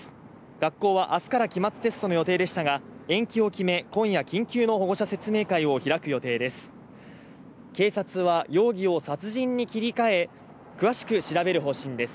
学校は明日から期末テストの予定でしたが、延期を決め今夜、緊急の保護者説明会を開く予定です。